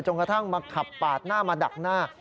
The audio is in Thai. กระทั่งมาขับปาดหน้ามาดักหน้า